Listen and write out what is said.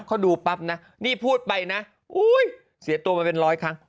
เขาดูปั๊บนะนี่พูดไปนะเสียตัวมาเป็นร้อยครั้ง